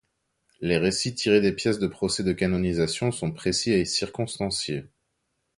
Les récits tirés des pièces des procès de canonisation sont précis et circonstanciés.